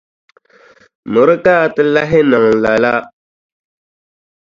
Miri ka a ti lahi niŋ lala.